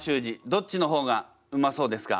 どっちの方がうまそうですか？